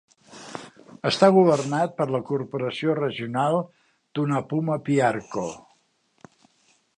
Està governat per la Corporació Regional Tunapuna-Piarco.